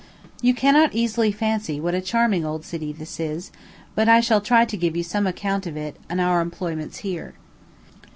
You cannot easily fancy what a charming old city this is; but I shall try to give you some account of it and our employments here.